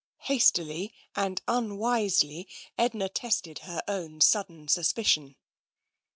*' Hastily and unwisely, Edna tested her own sudden suspicion.